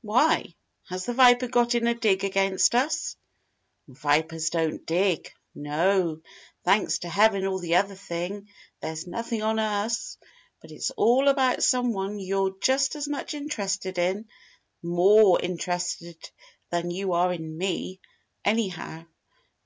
"Why, has the viper got in a dig against us?" "Vipers don't dig. No, thanks to Heaven or the other thing, there's nothing on us. But it's all about someone you're just as much interested in more interested than you are in me, anyhow.